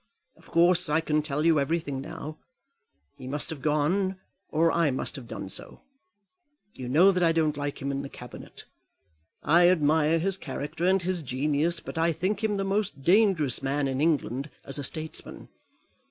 Of course, I can tell you everything now. He must have gone, or I must have done so. You know that I don't like him in the Cabinet. I admire his character and his genius, but I think him the most dangerous man in England as a statesman.